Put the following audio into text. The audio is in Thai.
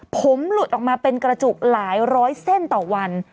ผมหลุดออกมาเป็นกระจุกหลายร้อยเส้นต่อวัน